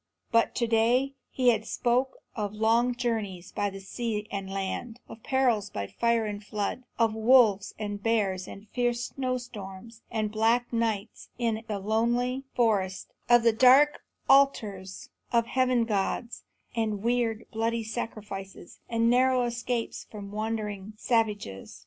But to day he had spoken of long journeyings by sea and land; of perils by fire and flood; of wolves and bears and fierce snowstorms and black nights in the lonely forest; of dark altars of heaven gods, and weird, bloody sacrifices, and narrow escapes from wandering savages.